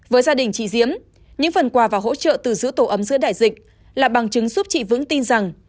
với gia đình chị diễm những phần quà và hỗ trợ từ giữ tổ ấm giữa đại dịch là bằng chứng giúp chị vững tin rằng